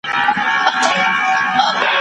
که ماشوم ونه ژاړي، انا به ارامه وي.